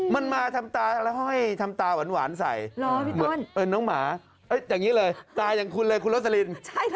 มันมาทำตาแล้วห้อยทำตาหวานใส่น้องหมาอย่างนี้เลยตาอย่างคุณเลยคุณโรสลิน